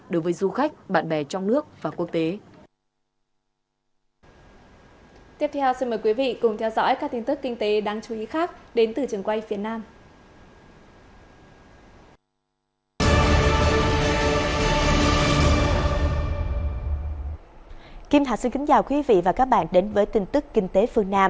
đối với du khách bạn bè trong nước và quốc tế